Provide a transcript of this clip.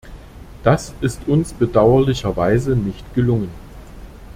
Das ist uns bedauerlicherweise nicht gelungen.